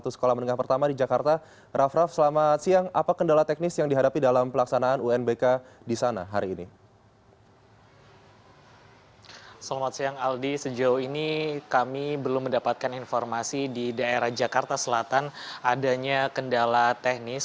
sejauh ini kami belum mendapatkan informasi di daerah jakarta selatan adanya kendala teknis